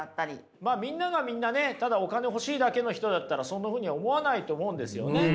まあみんながみんなねただお金欲しいだけの人だったらそんなふうに思わないと思うんですよね。